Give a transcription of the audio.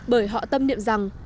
bởi họ tâm niệm rằng